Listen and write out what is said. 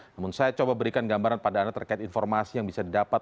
namun saya coba berikan gambaran pada anda terkait informasi yang bisa didapat